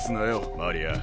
マリア。